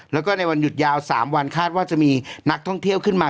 แล้วก็ในวันหยุดยาว๓วันคาดว่าจะมีนักท่องเที่ยวขึ้นมา